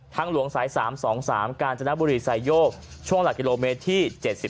หลวงสาย๓๒๓กาญจนบุรีไซโยกช่วงหลักกิโลเมตรที่๗๒